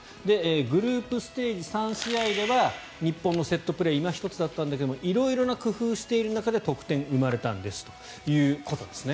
グループステージ３試合では日本のセットプレーいま一つだったんだけど色々な工夫をしている中で得点が生まれたんですということですね。